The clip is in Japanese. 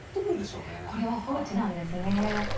これは放置なんですね。